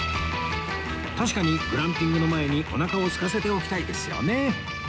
確かにグランピングの前におなかをすかせておきたいですよね